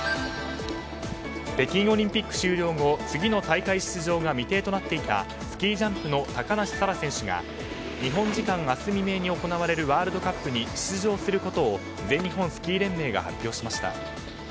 北京オリンピック終了後次の大会出場が未定となっていたスキージャンプの高梨沙羅選手が日本時間明日未明に行われるワールドカップに出場することを全日本スキー連盟が発表しました。